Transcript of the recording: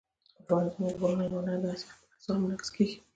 افغانستان کې غرونه د هنر په اثار کې منعکس کېږي.